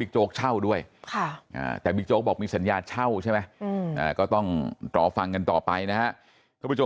บิ๊กโจ๊กเช่าด้วยแต่บิ๊กโจ๊กบอกมีสัญญาเช่าใช่ไหมก็ต้องรอฟังกันต่อไปนะครับ